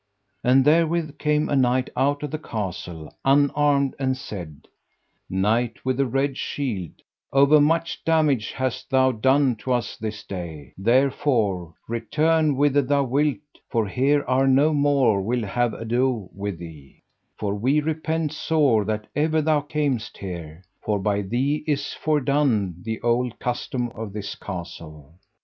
And therewith came a knight out of the castle unarmed, and said: Knight with the Red Shield, overmuch damage hast thou done to us this day, therefore return whither thou wilt, for here are no more will have ado with thee; for we repent sore that ever thou camest here, for by thee is fordone the old custom of this castle.